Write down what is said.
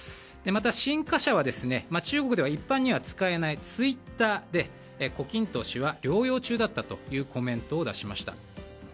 また、新華社は中国では一般に使えないツイッターで胡錦涛氏は療養中だったというコメントを出しました。